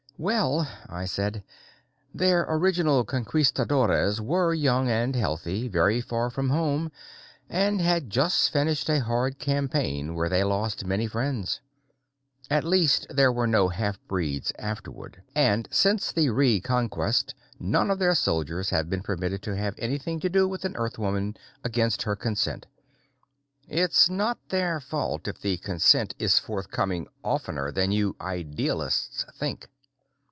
"Well," I said, "their original conquistadores were young and healthy, very far from home, and had just finished a hard campaign where they lost many friends. At least there were no half breeds afterward. And since the reconquest none of their soldiers has been permitted to have anything to do with an Earthwoman against her consent. It's not their fault if the consent is forthcoming oftener than you idealists think."